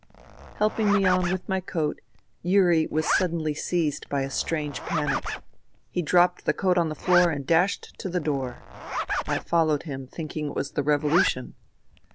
Helping me on with my coat, Yuri was suddenly seized by a strange panic. He dropped the coat on the floor and dashed to the door. I followed him, thinking it was the revolution.